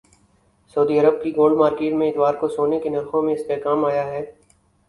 سعودی عرب کی gold market میں اتوار کو سونے کے نرخوں میں استحکام آیا ہے